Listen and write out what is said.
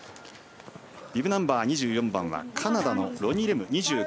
ビブナンバー２４番はカナダのロニ・レム。